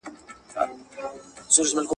سالم ذهن وخت نه کموي.